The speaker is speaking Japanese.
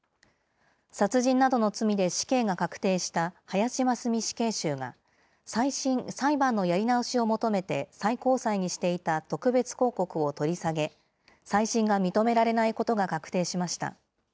殺人などの罪で死刑が確定した林真須美死刑囚が、再審・裁判のやり直しを求めて最高裁にしていた特別抗告を取り下げ、再審が認められないことが確定しました。